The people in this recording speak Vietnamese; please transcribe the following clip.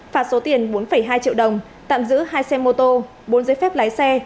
phạt số tiền bốn hai triệu đồng tạm giữ hai xe mô tô bốn giấy phép lái xe